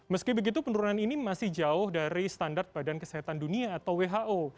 meski begitu penurunan ini masih jauh dari standar badan kesehatan dunia atau who